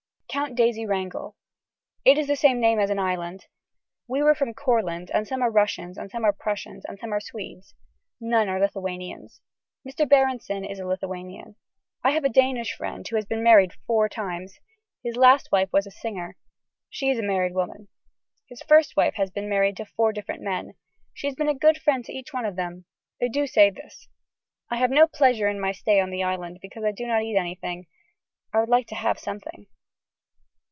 (Count Daisy Wrangel.) It is the same name as an island. We were from Courland and some are Russians and some are Prussians and some are Swedes. None are Lithuanians. Mr. Berenson is a Lithuanian. I have a Danish friend who has been married four times. His last wife is a singer. She is a married woman. His first wife has been married to four different men. She has been a good friend to each one of them. They do say this. I have no pleasure in my stay on the Island because I do not eat anything. I would like to have something.